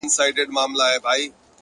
علم د فکرونو پراختیا راولي!.